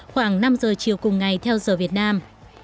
khoảng năm giờ chiều cùng ngày theo giờ việt nam